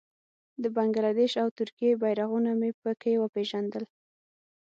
د بنګله دېش او ترکیې بېرغونه مې په کې وپېژندل.